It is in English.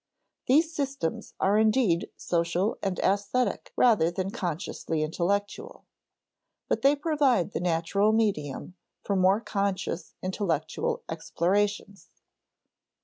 These systems are indeed social and æsthetic rather than consciously intellectual; but they provide the natural medium for more conscious intellectual explorations.